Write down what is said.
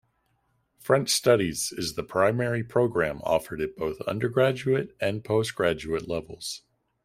French Studies is the primary programme offered at both undergraduate and postgraduate levels.